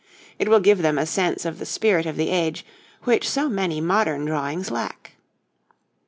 It will give them a sense of the spirit of the age which so many modern drawings lack.